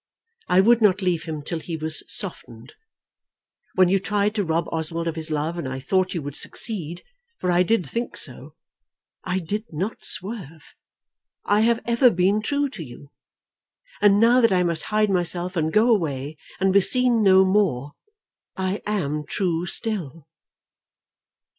I would not leave him till he was softened. When you tried to rob Oswald of his love, and I thought you would succeed, for I did think so, I did not swerve. I have ever been true to you. And now that I must hide myself and go away, and be seen no more, I am true still."